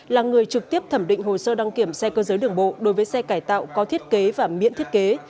là người trực tiếp thẩm định hồ sơ đăng kiểm xe cơ giới đường bộ đối với xe cải tạo có thiết kế và miễn thiết kế